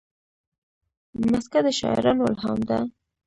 مځکه د شاعرانو الهام ده.